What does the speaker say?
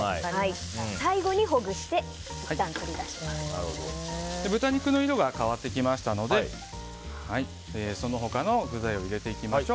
最後にほぐして豚肉の色が変わってきましたのでその他の具材を入れていきましょう。